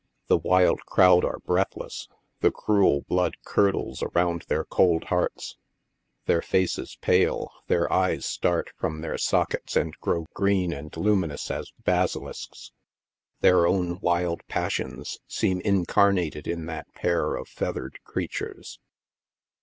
The wild crowd are breathless ; the cruel blood curdles around their cold hearts, their faces pale, their eyes start from their sockets and grow green and luminous as basilisks'. Their own wild passions seem incarnated in that pair of feathered creatures.